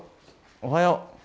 おはよう。